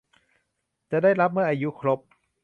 จะได้รับเมื่ออายุครบ